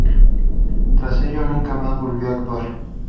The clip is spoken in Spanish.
Tras ello, nunca más volvió a actuar.